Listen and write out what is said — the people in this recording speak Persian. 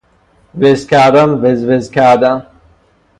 وزکردن وزوزکردن